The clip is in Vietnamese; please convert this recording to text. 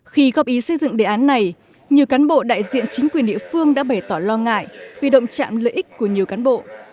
khi góp ý xây dựng đề án này nhiều cán bộ đại diện chính quyền địa phương đã bày tỏ lo ngại vì động trạm lợi ích của nhiều cán bộ